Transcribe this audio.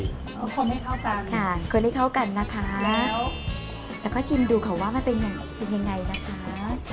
ควรไม่เข้ากันค่ะควรไม่เข้ากันนะคะแล้วก็ชิมดูเขาว่ามันเป็นยังไงนะคะ